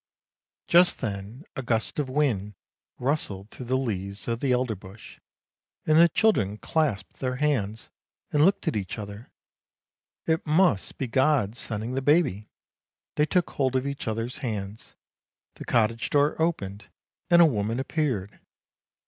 " Just then a gust of wind rustled through the leaves of the elderbush, and the children clasped their hands and looked at each other. It must be God sending the baby !— they took hold of each other's hands. The cottage door opened, and a woman WHAT THE MOON SAW 245 appeared.